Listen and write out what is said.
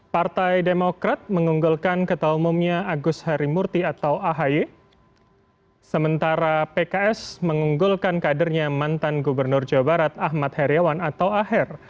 partai demokrat mengunggulkan ketua umumnya agus harimurti atau ahy sementara pks mengunggulkan kadernya mantan gubernur jawa barat ahmad heriawan atau aher